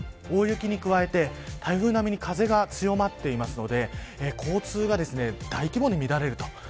大雪に加えて、台風並みに風が強まっているので交通が大規模に乱れると。